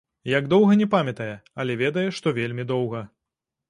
Як доўга, не памятае, але ведае, што вельмі доўга.